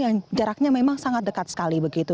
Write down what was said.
yang jaraknya memang sangat dekat sekali begitu